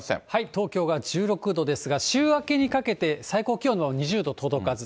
東京が１６度ですが、週明けにかけて、最高気温２０度届かず。